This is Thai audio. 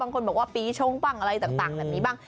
คนบอกว่าปีชงบ้างอะไรต่างแบบนี้บ้าง